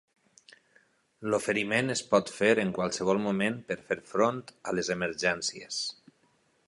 L'oferiment es pot fer en qualsevol moment per fer front a les emergències.